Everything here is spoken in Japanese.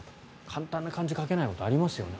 簡単な漢字が書けないことありますよね。